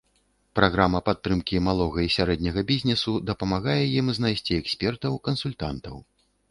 Праграма падтрымкі малога і сярэдняга бізнесу дапамагае ім знайсці экспертаў, кансультантаў.